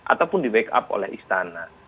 ataupun di backup oleh istana